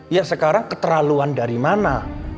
ya sekarang keterlaluan dari mana